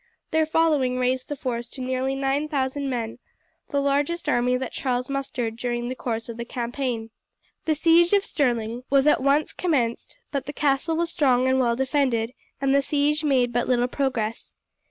Their following raised the force to nearly nine thousand men the largest army that Charles mustered during the course of the campaign. The siege of Stirling was at once commenced; but the castle was strong and well defended, and the siege made but little progress.